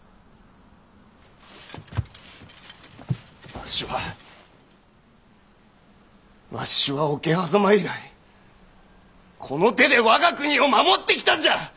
わしはわしは桶狭間以来この手で我が国を守ってきたんじゃ！